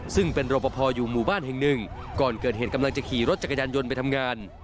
ซึ่งเป็นรอปภอยู่หมู่บ้านแห่งหนึ่งก่อนเกิดเหตุกำลังจะขี่รถจักรยานยนต์ไปทำงาน